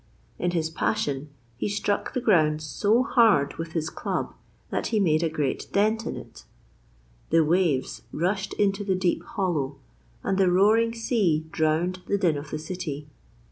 In his passion he struck the ground so hard with his club that he made a great dent in it the waves rushed into the deep hollow and the roaring sea drowned the din of the city.